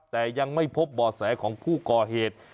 แต่ยังไม่พบบ่อแสของผู้ก่อเหตุ